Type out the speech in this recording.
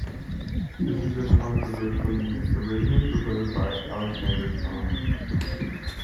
This is a controversial unit originally proposed by Alexander Thom.